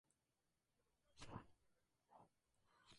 Oh Yeah!